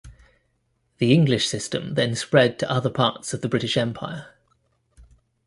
The English system then spread to other parts of the British Empire.